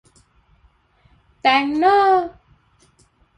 แต้งเน้อ